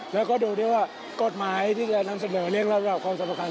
แล้วก็ดูที่ว่ากฎหมายที่จะทำเสนอเรียงรับรับความสรรพคัญ